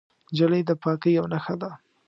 نجلۍ د پاکۍ یوه نښه ده.